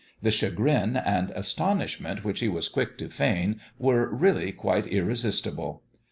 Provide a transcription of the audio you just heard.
The chagrin and astonishment which he was quick to feign were really quite irresistible.